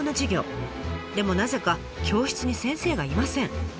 でもなぜか教室に先生がいません。